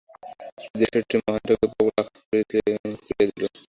এই দৃশ্যটি মহেন্দ্রকে প্রবল আঘাতে অভিভূত করিয়া দিল।